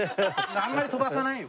あんまり飛ばさない。